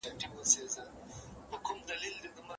ملنګه جهاني د پاچاهانو دښمني ده